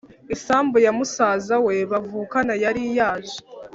isambu ya musaza we bavukana yari yaje